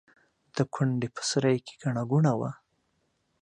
د کونډې په سرای کې ګڼه ګوڼه وه.